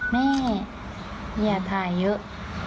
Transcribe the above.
แม่อย่าถ่ายเยอะ